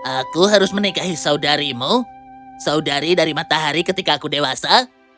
aku harus menikahi saudarimu saudari dari matahari ketika aku dewasa